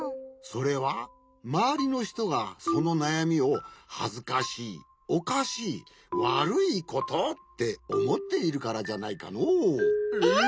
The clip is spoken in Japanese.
それはまわりのひとがそのなやみを「はずかしいおかしいわるいこと」っておもっているからじゃないかのう。